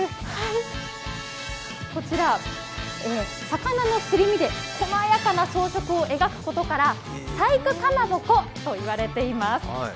こちら魚のすり身でこまやかな装飾を描くことから細工かまぼこと言われています。